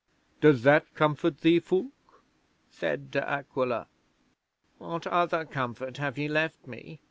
Does that comfort thee, Fulke?" said De Aquila. '"What other comfort have ye left me?"